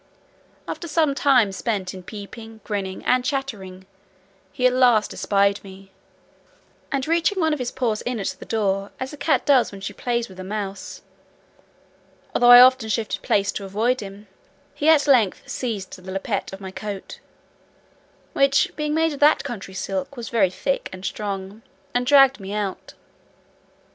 After some time spent in peeping, grinning, and chattering, he at last espied me; and reaching one of his paws in at the door, as a cat does when she plays with a mouse, although I often shifted place to avoid him, he at length seized the lappet of my coat (which being made of that country silk, was very thick and strong), and dragged me out.